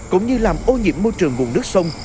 cũng như làm ô nhiễm môi trường vùng nước sông